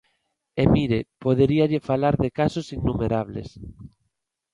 E mire, poderíalle falar de casos innumerables.